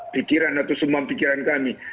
pikiran atau semam pikiran kami